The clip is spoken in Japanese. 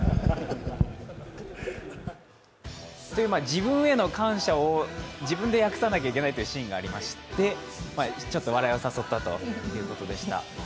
自分への感謝を自分で訳さなきゃいけないシーンがありまして、ちょっと笑いを誘ったということでした。